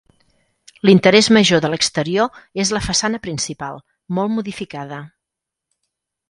L'interès major de l'exterior és la façana principal, molt modificada.